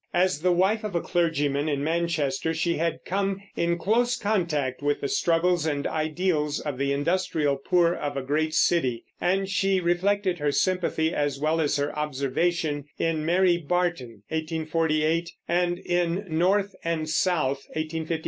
As the wife of a clergyman in Manchester, she had come in close contact with the struggles and ideals of the industrial poor of a great city, and she reflected her sympathy as well as her observation in Mary Barton (1848) and in North and South (1855).